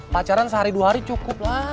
pacaran sehari dua hari cukup lah